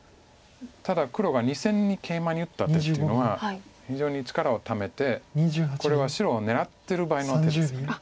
ただ黒が２線にケイマに打ったっていうのは非常に力をためてこれは白を狙ってる場合の手ですよね。